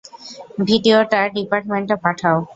ভিডিয়োটা ডিপার্টমেন্টে পাঠাও।